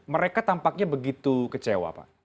mereka tampaknya begitu kecewa pak